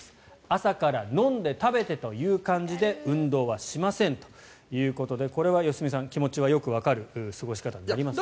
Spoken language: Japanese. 朝から飲んで食べてという感じで運動はしませんということでこれは良純さん気持ちはよくわかる過ごし方になりますね。